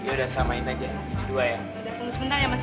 maksudnya kalau aku minta bantuan kamu bisa pindah akun sama aku